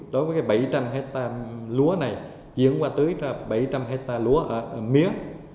đối với cái bảy trăm linh hectare lúa này diễn qua tưới ra bảy trăm linh hectare lúa mía